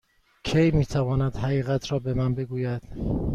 کی می تواند حقیقت را به من بگوید؟